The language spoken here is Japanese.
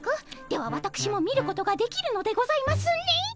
ではわたくしも見ることができるのでございますね。